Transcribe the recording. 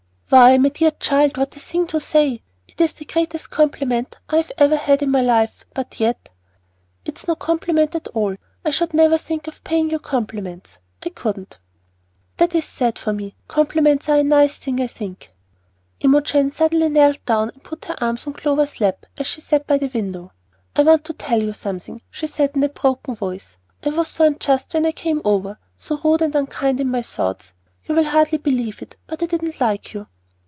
"Why, my dear child, what a thing to say! It's the greatest compliment I ever had in my life, but yet " "It's no compliment at all. I should never think of paying you compliments. I couldn't." "That is sad for me. Compliments are nice things, I think." Imogen suddenly knelt down and put her arms on Clover's lap as she sat by the window. "I want to tell you something," she said in a broken voice. "I was so unjust when I came over, so rude and unkind in my thoughts. You will hardly believe it, but I didn't like you!"